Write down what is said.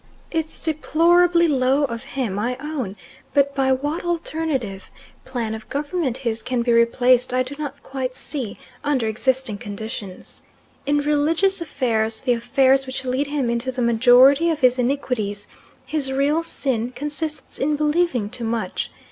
It's deplorably low of him, I own, but by what alternative plan of government his can be replaced I do not quite see, under existing conditions. In religious affairs, the affairs which lead him into the majority of his iniquities, his real sin consists in believing too much.